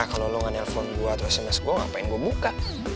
kalau lo gak nelfon gue atau sms gue ngapain gue buka